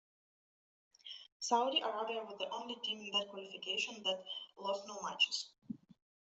Saudi Arabia was the only team in that qualification that lost no matches.